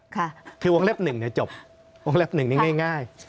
ค่ะคือวงเล็บ๑จบวงเล็บ๑ง่าย